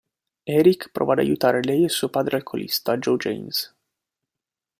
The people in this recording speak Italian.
Eric prova ad aiutare lei e suo padre alcolista, Joe James.